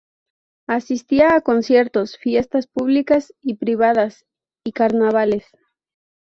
Asistía a conciertos, fiestas públicas y privadas, y carnavales.